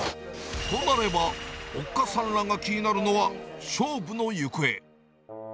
となれば、おっかさんらが気になるのは、勝負の行方。